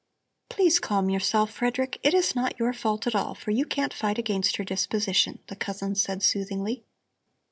"Please calm yourself, Frederick! It is not your fault at all, for you can't fight against her disposition," the cousin said soothingly.